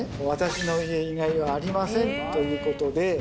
「私の家以外はありません」ということで。